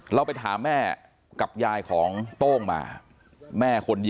เราไปถามแม่กับยายของโต้งมา